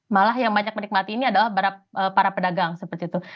malah yang banyak menikmati ini adalah para pedagang seperti itu